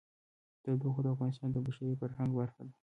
تودوخه د افغانستان د بشري فرهنګ برخه ده.